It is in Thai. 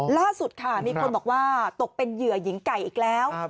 ล่าสุดค่ะมีคนบอกว่าตกเป็นเหยื่อหญิงไก่อีกแล้ว